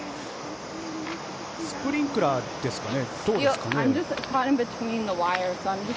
スプリンクラーですかね？